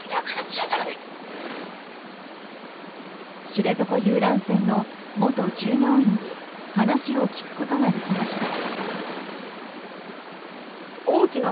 知床遊覧船の元従業員に話を聞くことができました。